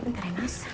ntar ya mas